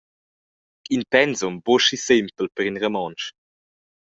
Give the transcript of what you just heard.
In pensum buca schi sempel per in Romontsch.